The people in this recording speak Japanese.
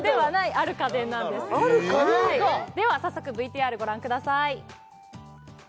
ある家電かでは早速ＶＴＲご覧ください